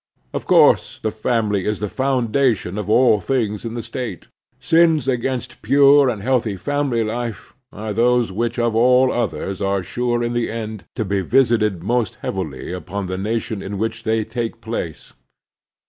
Of course the family is the foimdation of all things in the State. Sins against pure and healthy family life are those which of all others are sure in the end to be visited most heavily upon the nation in which they take place.